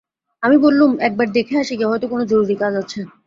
আমি বললুম, একবার দেখে আসি গে, হয়তো কোনো জরুরি কাজ আছে।